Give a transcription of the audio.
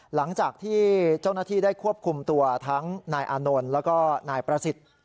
หลังจากที่เจ้าหน้าที่ได้ควบคุมตัวทั้งนายอานนท์แล้วก็นายประสิทธิ์